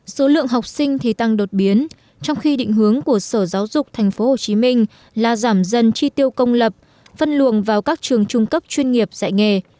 số lượng học sinh thì tăng đột biến trong khi định hướng của sở giáo dục tp hcm là giảm dần chi tiêu công lập phân luồng vào các trường trung cấp chuyên nghiệp dạy nghề